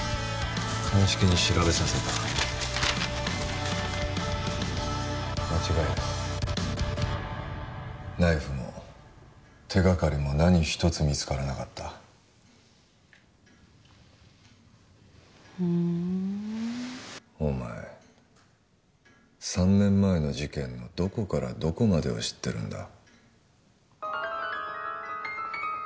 鑑識に調べさせた間違いないナイフも手がかりも何一つ見つからなかったふんお前３年前の事件のどこからどこまでを知ってるんだ？